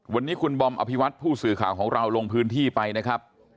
วันนี้คุณบอมอภิวัตผู้สื่อข่าวของเราลงพื้นที่ไปนะครับ